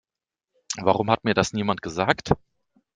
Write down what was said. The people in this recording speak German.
Warum hat mir das niemand gesagt?